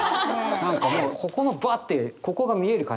何かもうここのばあってここが見える感じが。